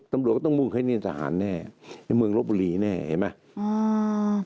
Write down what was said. ตำรวจก็ต้องมุ่งให้นี่ทหารแน่ในเมืองลบบุรีแน่เห็นไหมอ่า